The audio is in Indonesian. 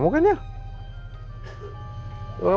aku gak pernah kekurangan makanan